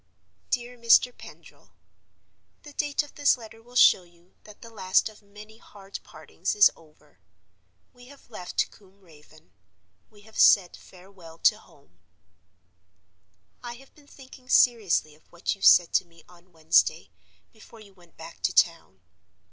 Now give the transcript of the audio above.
"DEAR MR. PENDRIL,— "The date of this letter will show you that the last of many hard partings is over. We have left Combe Raven; we have said farewell to home. "I have been thinking seriously of what you said to me on Wednesday, before you went back to town.